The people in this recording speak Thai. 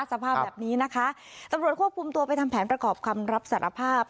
สภาพแบบนี้นะคะตำรวจควบคุมตัวไปทำแผนประกอบคำรับสารภาพ